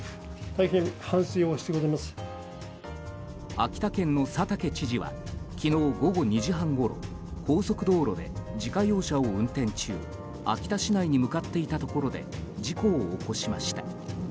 秋田県の佐竹知事は昨日午後２時半ごろ高速道路で自家用車を運転中秋田市内に向かっていたところで事故を起こしました。